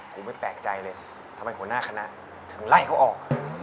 ผมไม่แปลกใจเลยทำไมหัวหน้าคณะถึงไล่เขาออก